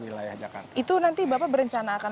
wilayah jakarta itu nanti bapak berencana akan